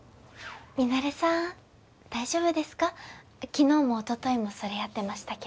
昨日もおとといもそれやってましたけど。